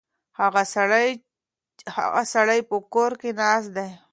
هغه سړی په کور کې ناست دی.